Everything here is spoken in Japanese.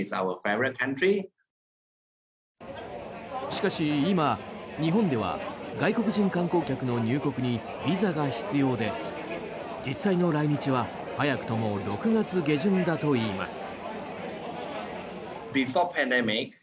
しかし今、日本では外国人観光客の入国にビザが必要で実際の来日は早くとも６月下旬だといいます。